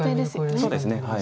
そうですね。